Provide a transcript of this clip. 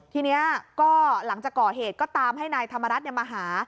ทีนี้ก็หลังจากก่อเหตุก็ตามให้นายธรรมรัฐมาหา